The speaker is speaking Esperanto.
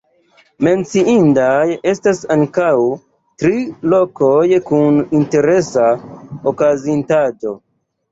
Menciindaj estas ankaŭ tri lokoj kun interesa okazintaĵo.